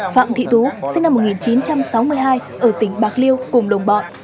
phạm thị tú sinh năm một nghìn chín trăm sáu mươi hai ở tỉnh bạc liêu cùng đồng bọn